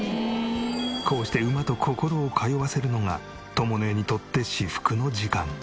こうして馬と心を通わせるのがとも姉にとって至福の時間。